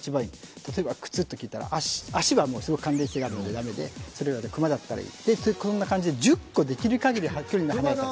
例えば、靴と聞いたら足はすごく関連性があるので、駄目で、熊だったらいい。こんな感じで１０個できる限り距離の離れた。